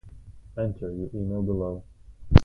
Enter your email below.